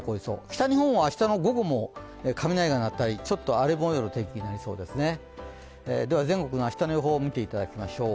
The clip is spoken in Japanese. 北日本は明日の午後も雷が鳴ったり、ちょっと荒れ模様の天気になりそうですね。